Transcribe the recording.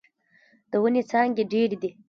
د ونې څانګې ډيرې دې.